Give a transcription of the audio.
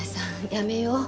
やめよう。